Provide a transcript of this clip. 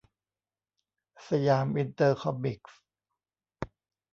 สยามอินเตอร์คอมิกส์